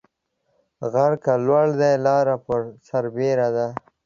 غر که لوړ دى ، لار پر سر بيره ده.